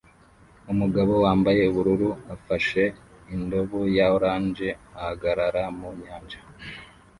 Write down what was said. Umugabo wambaye ubururu ufashe indobo ya orange ahagarara mu nyanja